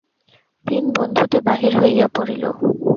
তিন বন্ধুতে বাহির হইয়া পড়িল।